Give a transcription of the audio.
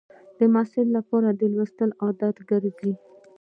د محصل لپاره لوستل عادت ګرځي.